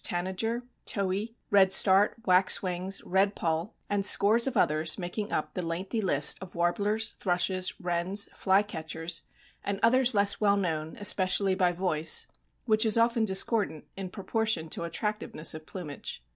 Tanager, Towhee, Redstart, Waxwings, Redpoll and scores of others making up the lengthy list of warblers, thrushes, wrens, flycatchers and others less well known, especially by voice, which is often discordant in proportion to attractiveness of plumage.